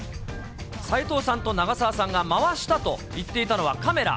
斎藤さんと長澤さんが回したと言っていたのはカメラ。